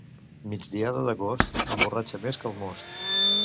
Migdiada d'agost emborratxa més que el most.